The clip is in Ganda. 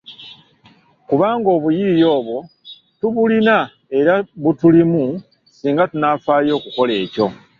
Kubanga obuyiiya obwo tubulina era butulimu singa tunaafaayo okukola ekyo.